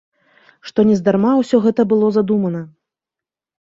Што нездарма ўсё гэта было задумана.